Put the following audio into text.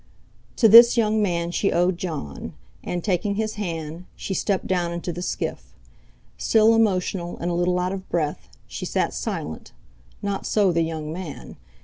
To this young man she owed Jon; and, taking his hand, she stepped down into the skiff. Still emotional, and a little out of breath, she sat silent; not so the young man.